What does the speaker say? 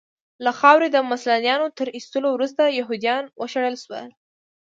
له خاورې د مسلنانو تر ایستلو وروسته یهودیان وشړل شول.